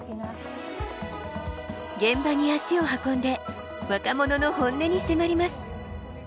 現場に足を運んで若者の本音に迫ります。